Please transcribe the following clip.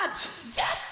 ジャッチ！